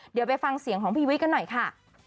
เดี๋ยวไปฟังเสียงของพี่วิทย์กันหน่อยค่ะ